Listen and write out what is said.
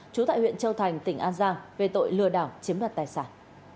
chú tại huyện châu thành tỉnh an giang về tội lừa đảo chiếm đặt tài sản